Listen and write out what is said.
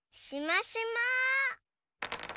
しましま。